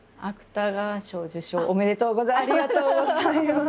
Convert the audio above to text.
ありがとうございます。